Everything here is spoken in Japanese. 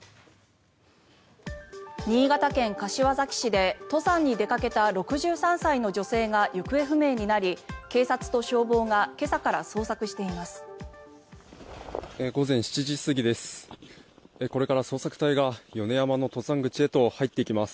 新潟県柏崎市で登山に出かけた６３歳の女性が行方不明になり、警察と消防が今朝から捜索しています。